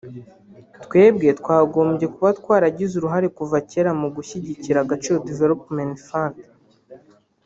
“twebwe twagombye kuba twaragize uruhare kuva kera mu gushyigikira “Agaciro Development Fund”